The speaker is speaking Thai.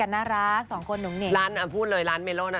น่ารักสองคนหนุ่มเนี้ยล้านอะพูดเลยล้านเมร่นอ่ะ